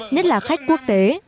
nhất là khách quốc tế